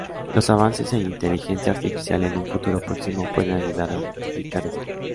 Los avances en inteligencia artificial en un futuro próximo pueden ayudar a rectificar esto.